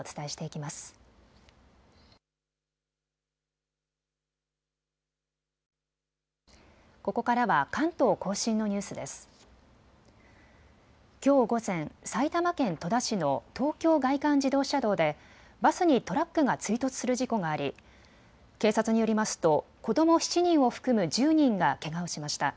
きょう午前、埼玉県戸田市の東京外環自動車道でバスにトラックが追突する事故があり警察によりますと子ども７人を含む１０人がけがをしました。